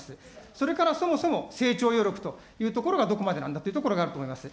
それからそもそも、成長余力というところが、どこまでなんだというところがあると思います。